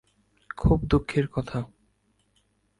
খুব দুঃখের কথা।